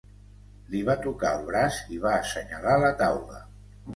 Li va tocar el braç i va assenyalar la taula.